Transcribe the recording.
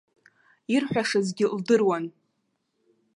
Ирҳәашазгьы лдыруан.